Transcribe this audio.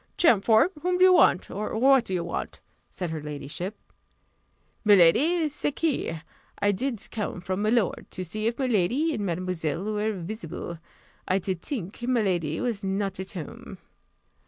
"Champfort, whom do you want or what do you want?" said her ladyship. "Miladi, c'est que I did come from milord, to see if miladi and mademoiselle were visible. I did tink miladi was not at home."